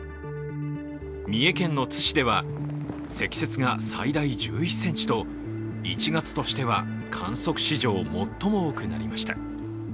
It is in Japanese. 三重県の津市では積雪が最大１１ｃｍと１月としては観測史上最も多くなりました。